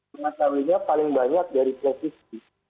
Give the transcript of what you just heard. pemacawinnya paling banyak dari televisi